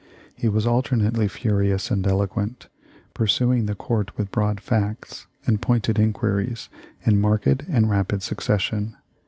He was alternately furious and eloquent, pursuing the Court with broad facts and pointed inquiries in marked and rapid succession.